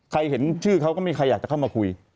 เห็นชื่อเขาก็มีใครอยากจะเข้ามาคุย